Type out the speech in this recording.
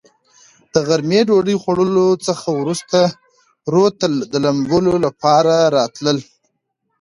د غرمې ډوډوۍ خوړلو څخه ورورسته رود ته د لمبو لپاره راتلل.